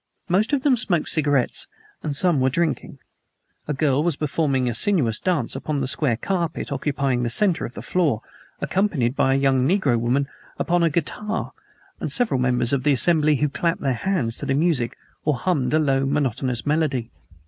Most of them smoked cigarettes, and some were drinking. A girl was performing a sinuous dance upon the square carpet occupying the center of the floor, accompanied by a young negro woman upon a guitar and by several members of the assembly who clapped their hands to the music or hummed a low, monotonous melody.